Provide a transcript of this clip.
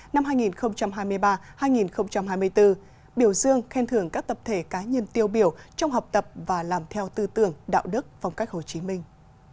năm hai nghìn hai mươi ba hai nghìn hai mươi bốn biểu dương khen thưởng các tập thể cá nhân tiêu biểu trong học tập và làm theo tư tưởng đạo đức phong cách hồ chí minh